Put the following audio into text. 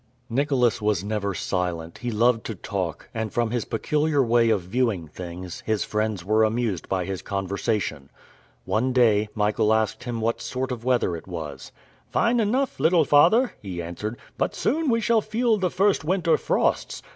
Nicholas was never silent, he loved to talk, and, from his peculiar way of viewing things, his friends were amused by his conversation. One day, Michael asked him what sort of weather it was. "Fine enough, little father," he answered, "but soon we shall feel the first winter frosts.